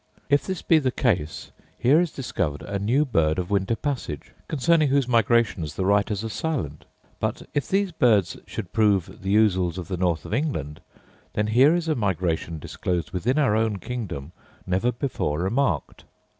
If this be the case, here is discovered a new bird of winter passage, concerning whose migrations the writers are silent: but if these birds should prove the ousels of the north of England, then here is a migration disclosed within our own kingdom never before remarked.